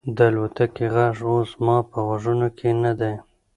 د الوتکې غږ اوس زما په غوږونو کې نه دی.